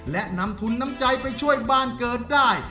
และนำทุนน้ำใจไปช่วยบ้านเกิดได้